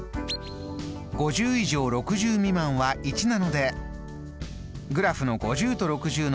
５０以上６０未満は１なのでグラフの５０と６０の間に１人分。